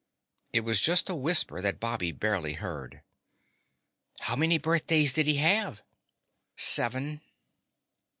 It was just a whisper that Bobby barely heard. "How many birthdays did he have?" "Seven."